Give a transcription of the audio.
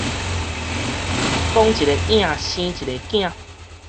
講一个影，生一个囝